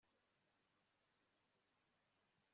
yegamye imbere. ijwi rye ryari riteye ubwoba nka we